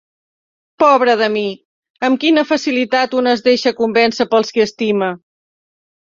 Pobra de mi! Amb quina facilitat una es deixa convèncer pels qui estima!